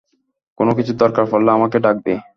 কোনোকিছুর দরকার পড়লে আমাকে ডাকবি।